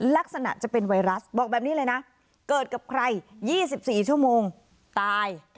ลักษณะจะเป็นไวรัสบอกแบบนี้เลยนะเกิดกับใคร๒๔ชั่วโมงตาย